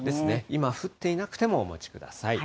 今降っていなくてもお持ちください。